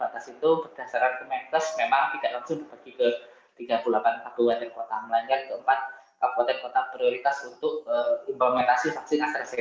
tiga puluh delapan kabupaten kota melanggar ke empat kabupaten kota prioritas untuk implementasi vaksin astrazeneca